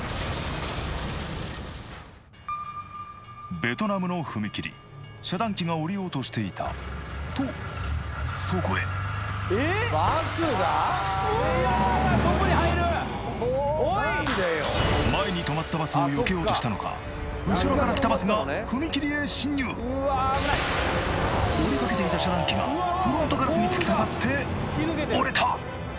ベトナムの踏切遮断機が降りようとしていたとそこへ前に止まったバスをよけようとしたのか後ろから来たバスが踏切へ侵入降りかけていた遮断機がフロントガラスに突き刺さって折れた！